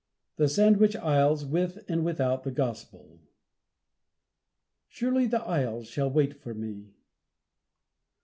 THE SANDWICH ISLES WITH AND WITHOUT THE GOSPEL. "Surely the isles shall wait for me."